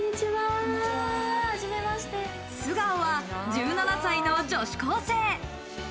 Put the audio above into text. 素顔は１７歳の女子高生。